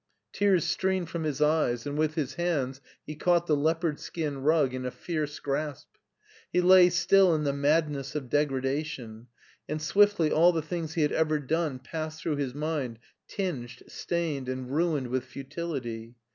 Tears streamed from his eyes and with his hands he caught the leopard skin rug in a fierce grasp. He lay still in the madness of degradation, and swiftly all the things he had ever done passed through his mind, tinged, stained, and ruined with futility.